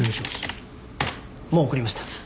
もう送りました。